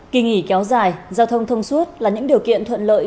kỳ nghỉ kéo dài giao thông thông suốt là những điều kiện thuận lợi